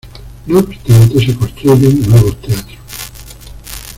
No obstante, se construyen nuevos teatros.